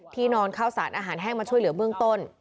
นอนข้าวสารอาหารแห้งมาช่วยเหลือเบื้องต้น